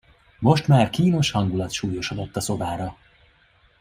Most már kínos hangulat súlyosodott a szobára.